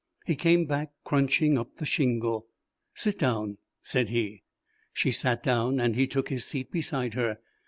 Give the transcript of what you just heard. He came back crunching up the shingle. "Sit down," said he. She sat down and he took his seat beside her.